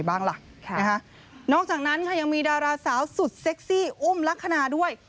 ยังมีดาราสาวสุดเซ็กซี่อุ้มลักษณะด้วย